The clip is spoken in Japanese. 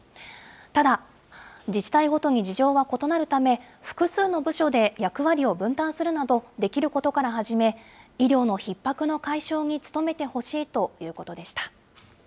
ただ、自治体ごとに事情は異なるため、複数の部署で役割を分担するなど、できることから始め、医療のひっ迫の解消に努めてほしいということでした。